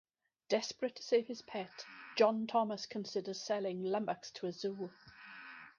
Desperate to save his pet, John Thomas considers selling Lummox to a zoo.